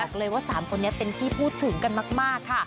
บอกเลยว่า๓คนนี้เป็นที่พูดถึงกันมากค่ะ